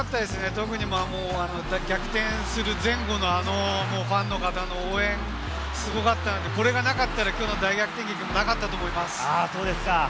特に逆転する前後のあのファンの方の応援、すごかったので、これがなかったら、きょうの大逆転劇はなかったと思います。